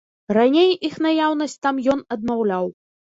Раней іх наяўнасць там ён адмаўляў.